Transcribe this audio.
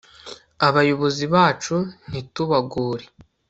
abayobozi bacu ntitubagore